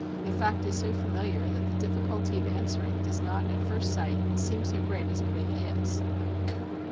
The fact is so familiar that the difficulty of answering does not, at first sight, seem so great as it really is.